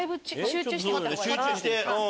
集中して。